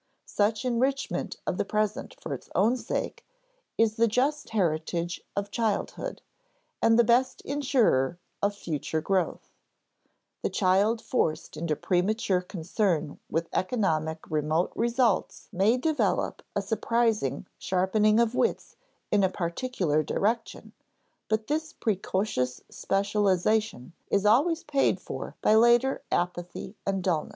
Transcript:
Such enrichment of the present for its own sake is the just heritage of childhood and the best insurer of future growth. The child forced into premature concern with economic remote results may develop a surprising sharpening of wits in a particular direction, but this precocious specialization is always paid for by later apathy and dullness.